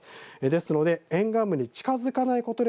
ですので沿岸部に近づかないこと